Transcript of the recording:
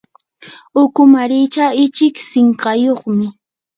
ukumaricha ichik sinqayuqmi.